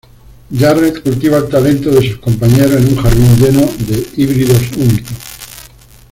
Jarrett cultiva el talento de sus compañeros en un jardín lleno de híbridos únicos.